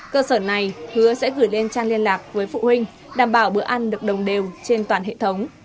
cơ sở này hứa sẽ gửi lên trang liên lạc với phụ huynh đảm bảo bữa ăn được đồng đều trên toàn hệ thống